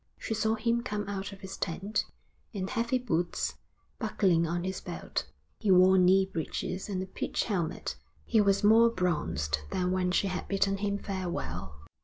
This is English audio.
She saw him come out of his tent, in heavy boots, buckling on his belt. He wore knee breeches and a pith helmet, and he was more bronzed than when she had bidden him farewell.